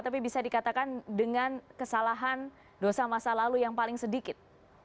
tapi bisa dikatakan dengan kesalahan dosa masa lalu yang paling sedikit